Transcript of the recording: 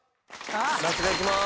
那須がいきます。